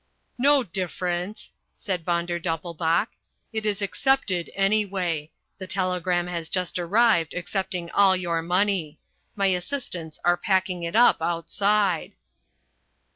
"No difference," said Von der Doppelbauch. "It is accepted anyway. The telegram has just arrived accepting all your money. My assistants are packing it up outside."